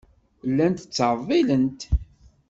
Llant ttɛeḍḍilent.